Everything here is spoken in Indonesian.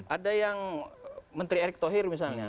ada yang menteri erick thohir misalnya